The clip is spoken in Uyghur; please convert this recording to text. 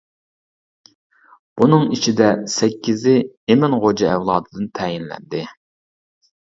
بۇنىڭ ئىچىدە سەككىزى ئىمىن غوجا ئەۋلادىدىن تەيىنلەندى.